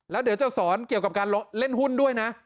แล้วเดี๋ยวจะสอนเกี่ยวกับการเล่นหุ้นด้วยนะ